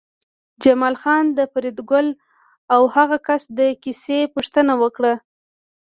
جمال خان د فریدګل او هغه کس د کیسې پوښتنه وکړه